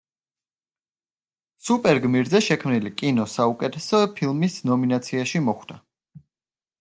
სუპერ-გმირზე შექმნილი კინო საუკეთესო ფილმის ნომინაციაში მოხვდა.